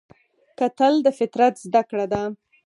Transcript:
کتل د فطرت زده کړه ده